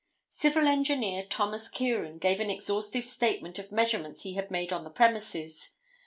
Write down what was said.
Civil Engineer Thomas Kieran gave an exhaustive statement of measurements he had made on the premises.